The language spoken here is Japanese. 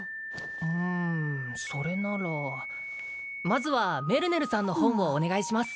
うんそれならまずはメルネルさんの本をお願いします